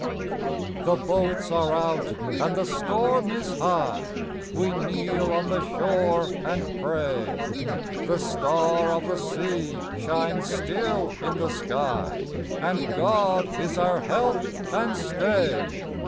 'THE boats are out, and the storm is high; We kneel on the shore and pray: The Star of the Sea shines still in the sky, And God is our help and stay.